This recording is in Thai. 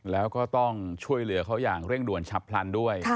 แล้วก็ต้องช่วยเหลือเขาอย่างเร่งด่วนฉับพลันด้วย